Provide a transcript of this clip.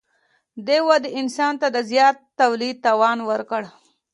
دې ودې انسان ته د زیات تولید توان ورکړ.